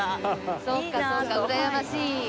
そうかそうかうらやましい。